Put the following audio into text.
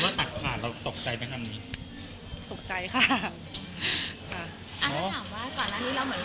อย่างกับคำว่าตัดขาดทุกคนตกใจเป็นกันมั้ย